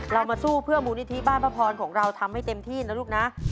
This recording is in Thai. เรามาสู้เพื่อมูลนิธิบ้านพระพรของเราทำให้เต็มที่นะลูกนะ